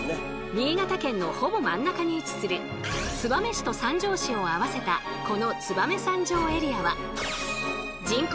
新潟県のほぼ真ん中に位置する燕市と三条市を合わせたこの燕三条エリアは人口